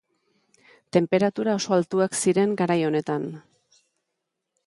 Tenperatura oso altuak ziren garai honetan